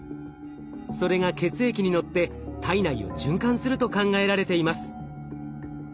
それが血液にのって体内を循環すると考えられています。